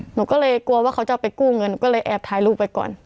หนูก็เลยกลัวว่าเขาจะไปกู้เงินก็เลยแอบถ่ายรูปไปก่อน